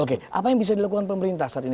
oke apa yang bisa dilakukan pemerintah saat ini